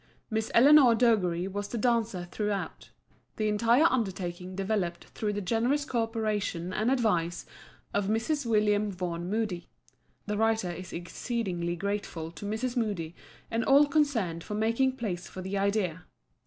Miss Eleanor Dougherty was the dancer throughout. The entire undertaking developed through the generous coöperation and advice of Mrs. William Vaughn Moody. The writer is exceedingly grateful to Mrs. Moody and all concerned for making place for the idea.